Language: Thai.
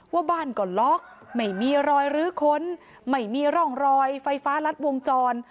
ว่าบ้านก็ล็อกไม่มีรอยรื้อค้นไม่มีร่องรอยไฟฟ้ารัดวงจร